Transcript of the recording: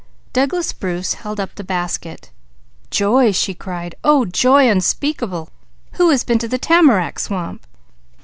Douglas Bruce held up the basket. "Joy!" she cried. "Oh joy unspeakable! Who has been to the tamarack swamp?"